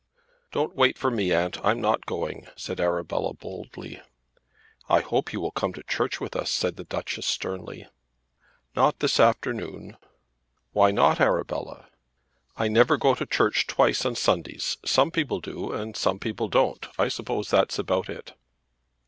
"Don't wait for me, aunt; I'm not going," said Arabella boldly. "I hope you will come to church with us," said the Duchess sternly. "Not this afternoon." "Why not, Arabella?" "I never do go to church twice on Sundays. Some people do, and some people don't. I suppose that's about it."